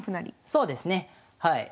そうですねはい。